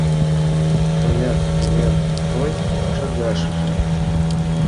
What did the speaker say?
Тояк-тояк той шергашыже